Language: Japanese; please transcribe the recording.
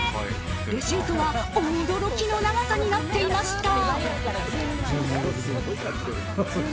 レシートは驚きの長さになっていました。